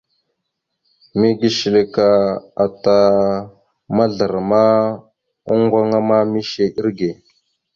Mege shəlek ata mazlarəma, oŋŋgoŋa ma mishe irəge.